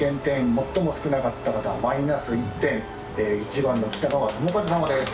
最も少なかった方マイナス１点１番のキタガワトモカズ様です。